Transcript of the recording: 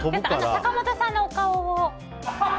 坂本さんのお顔を。